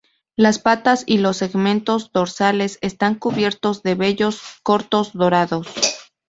Las patas y los segmentos dorsales están cubiertos de vellos cortos dorados.